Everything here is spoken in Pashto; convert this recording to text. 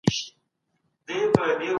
له یوسفزو سره جنګونه وکړل